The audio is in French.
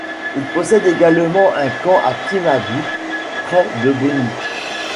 Il possède également un camp à Tin-Habou, près de Boni.